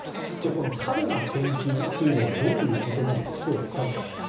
この過度な献金というのはどういうことなんでしょうかと。